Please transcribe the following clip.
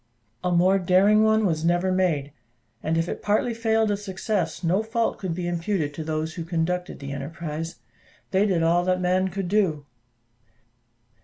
A more daring one was never made; and if it partly failed of success, no fault could be imputed to those who conducted the enterprise: they did all that man could do.